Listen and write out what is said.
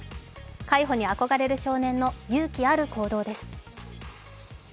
海保に憧れる少年の祐希ある行動です。